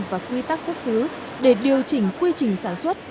và quy tắc xuất xứ để điều chỉnh quy trình sản xuất